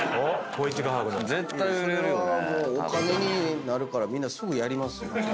それはお金になるからみんなすぐやりますよ。